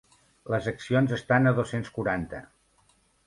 Les accions estan a dos-cents quaranta.